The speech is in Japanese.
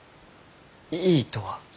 「いい」とは？